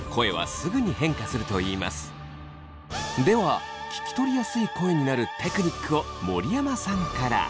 では聞き取りやすい声になるテクニックを森山さんから。